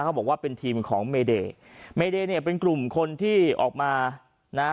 เขาบอกว่าเป็นทีมของเมเดย์เมเดย์เนี่ยเป็นกลุ่มคนที่ออกมานะ